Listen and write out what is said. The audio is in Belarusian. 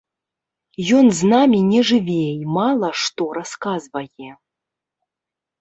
Ён з намі не жыве і мала што расказвае.